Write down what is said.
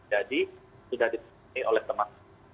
jadi sudah diperlukan oleh teman teman